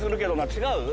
違う？